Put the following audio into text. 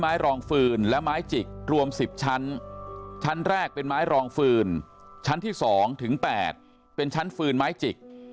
รองฟืนและไม้จิกรวม๑๐ชั้นชั้นแรกเป็นไม้รองฟืนชั้นที่๒ถึง๘เป็นชั้นฟืนไม้จิก